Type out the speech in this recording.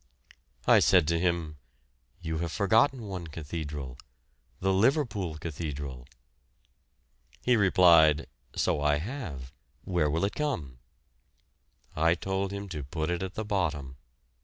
I said to him, "You have forgotten one cathedral, the Liverpool cathedral." He replied, "So I have; where will it come?" I told him to put it at the bottom.